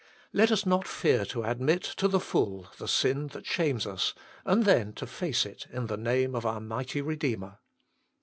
Let us not fear to admit to the full the sin that shames us, and then to face it in the name of our Mighty Redeemer.